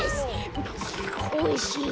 おいしい。